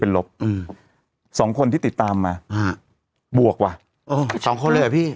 เป็นลบอืมสองคนที่ติดตามมาฮะบวกว่ะเออสองคนเลยเหรอพี่